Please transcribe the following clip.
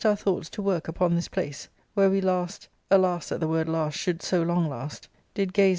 V thoughts to work upon this place, where we last —alas, that the word *last' should so long Ust — did grace